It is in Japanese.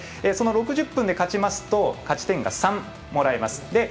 その６０分で勝ちますと勝ち点が３もらえます。